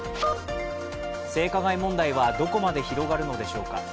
性加害問題はどこまで広がるのでしょぅか。